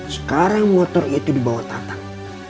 sekarang motor itu dibawa tatang